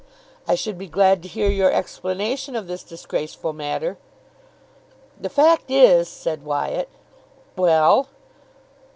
"I should be glad to hear your explanation of this disgraceful matter." "The fact is " said Wyatt. "Well?"